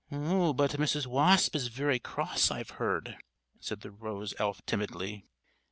"But Mrs. Wasp is very cross, I've heard," said the rose elf timidly.